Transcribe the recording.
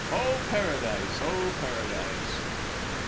"Oh, Paradise! Oh, Paradise!"